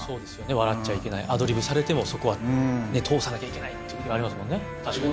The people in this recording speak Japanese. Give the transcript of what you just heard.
笑っちゃいけない、アドリブされても、そこは、ね、通さなきゃいけないってありますもんね、確かに。